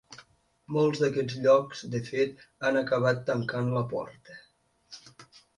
Molts d’aquests llocs, de fet, han acabat tancant la porta.